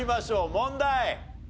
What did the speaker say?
問題。